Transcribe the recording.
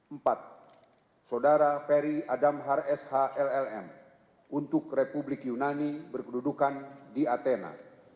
empat saudara ferry adam harsha llm untuk republik yunani berkedudukan di atena